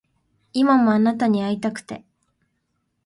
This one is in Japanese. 今もあなたに逢いたくて